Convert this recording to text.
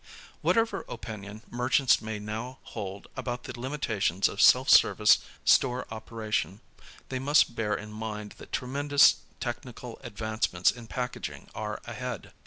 Whatever opinion merchants may now hold about the limitations of self service store operation, they must bear in mind that tremendous technical advancements in packaging are ahead.